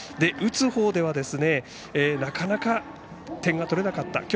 打つほうではなかなか、点が取れなかった。